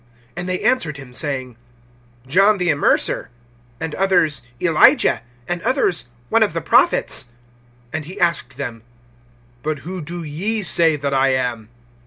(28)And they answered him saying: John the Immerser; and others, Elijah; and others, one of the prophets. (29)And he asked them: But who do ye say that I am?